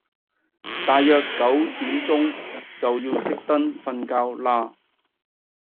大約九點鐘就要熄燈瞓覺嘞